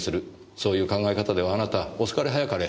そういう考え方ではあなた遅かれ早かれ